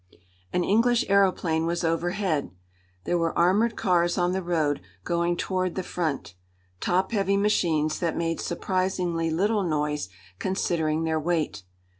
An English aëroplane was overhead. There were armoured cars on the road, going toward the front; top heavy machines that made surprisingly little noise, considering their weight.